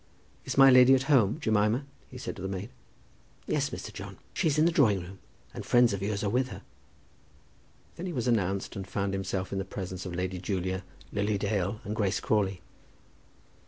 "Is my lady at home, Jemima?" he said to the maid. "Yes, Mr. John; she is in the drawing room, and friends of yours are with her." Then he was announced, and found himself in the presence of Lady Julia, Lily Dale, and Grace Crawley.